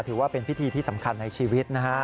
ถือว่าเป็นพิธีที่สำคัญในชีวิตนะฮะ